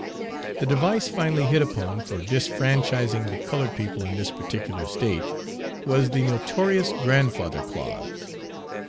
The device finally hit upon for disfranchising the colored people in this particular state was the notorious "grandfather clause."